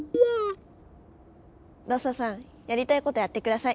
ロッソさんやりたいことやって下さい。